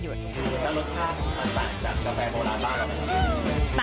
แล้วรสชาติมันต่างจากกาแฟโทราต่างหรือเปล่า